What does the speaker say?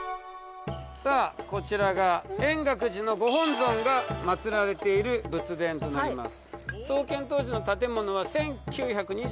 さあこちらが円覚寺のご本尊が祭られている仏殿となります。